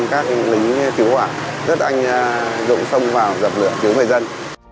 các lính cứu hỏa rất là anh dụng xông vào giặc lửa cứu người dân